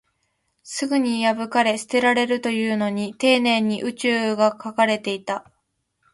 すぐに破かれ、捨てられるというのに、丁寧に宇宙が描かれていた